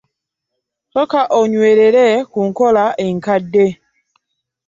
Sooka onywerere ku nkola enkadde.